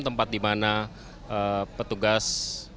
tempat di mana petugas